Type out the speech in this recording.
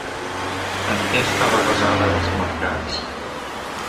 En què estava basada Els marcats?